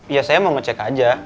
ya saya mau ngecek aja